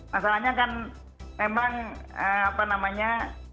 masalahnya kan memang apa namanya